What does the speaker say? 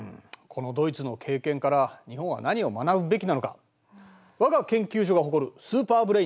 このドイツの経験から日本は何を学ぶべきなのかわが研究所が誇るスーパーブレーンに聞いてみよう。